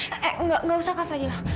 eh nggak usah pa